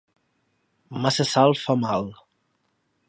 Massa sal fa mal.